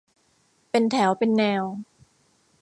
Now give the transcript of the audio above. เป็นแถวเป็นแนว